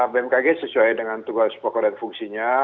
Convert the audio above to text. bmkg sesuai dengan tugas pokok dan fungsinya